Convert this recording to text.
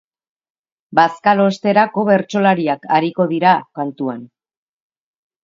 Bazkalosterako bertsolariak ariko dira kantuan.